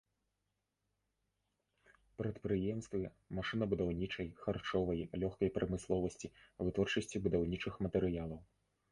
Прадпрыемствы машынабудаўнічай, харчовы, лёгкай прамысловасці, вытворчасці будаўнічых матэрыялаў.